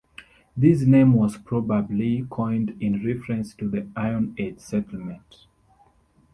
This name was probably coined in reference to the Iron Age settlement.